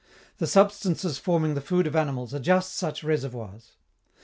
The substances forming the food of animals are just such reservoirs.